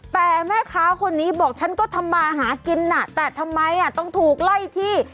แต่แม่ค้าคนนี้บอกฉันก็ทำมาหากินน่ะแต่ทำไมต้องถูกไล่ที่